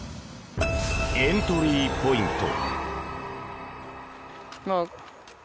エントリーポイント。